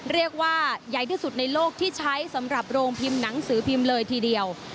เรียกว่าใหญ่ที่สุดในโลกที่ใช้สำหรับโรงพิมพ์หนังสือพิมพ์เลยทีเดียว